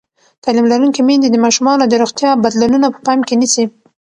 تعلیم لرونکې میندې د ماشومانو د روغتیا بدلونونه په پام کې نیسي.